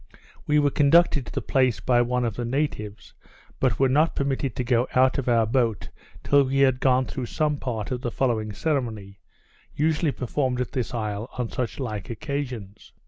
We were conducted to the place by one of the natives; but were not permitted to go out of our boat, till we had gone through some part of the following ceremony usually performed at this isle, on such like occasions.